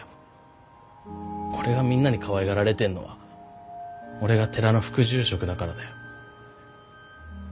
俺がみんなにかわいがられてんのは俺が寺の副住職だからだよ。